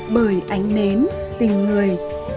bởi ánh nến tình người